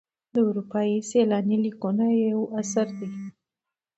د اروپایي سیلاني لیکونه یو اثر دی.